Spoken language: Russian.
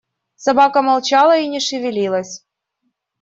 Собака молчала и не шевелилась.